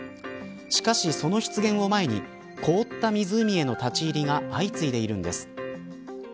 しかし、その出現を前に凍った湖への立ち入りが相次いでいるんです。